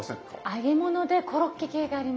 揚げ物でコロッケ系があります。